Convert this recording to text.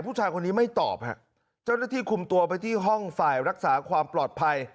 ผู้ชายคนนี้ไม่ตอบฮะเจ้าหน้าที่คุมตัวไปที่ห้องฝ่ายรักษาความปลอดภัย